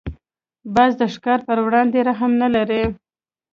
باز د ښکار پر وړاندې رحم نه لري